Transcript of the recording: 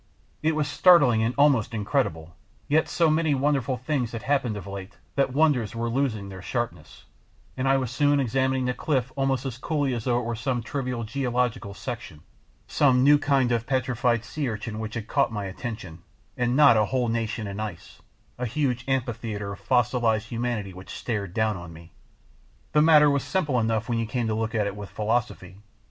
It was startling and almost incredible, yet so many wonderful things had happened of late that wonders were losing their sharpness, and I was soon examining the cliff almost as coolly as though it were only some trivial geological "section," some new kind of petrified sea urchins which had caught my attention and not a whole nation in ice, a huge amphitheatre of fossilised humanity which stared down on me. The matter was simple enough when you came to look at it with philosophy.